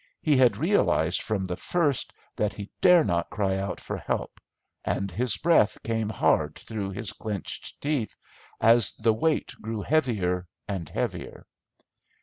He had realised from the first that he dare not cry for help, and his breath came hard through his clenched teeth as the weight grew heavier and heavier.